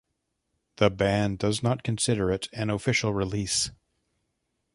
The band does not consider it an official release.